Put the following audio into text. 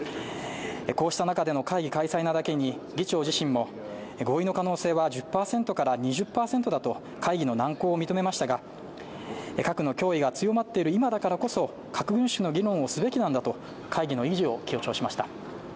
こうした中での会議開催だけに議長自身も合意の可能性は１０％から２０％だと会議の難航を認めましたが核の脅威が強まっている今だからこそ核軍縮の議論をすべきなんだと会議の意義を強調しました。